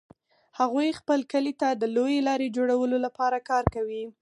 هغوی خپل کلي ته د لویې لارې جوړولو لپاره کار کوي